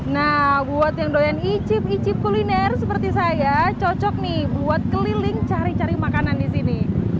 nah buat yang doyan icip icip kuliner seperti saya cocok nih buat keliling cari cari makanan di sini